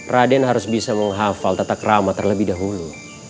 raden harus bisa menghafal tetap ramah terlebih dahulu